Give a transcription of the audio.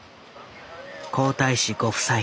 皇太子ご夫妻